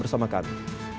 di rumah kami